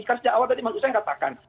kan sejak awal tadi mas hussein katakan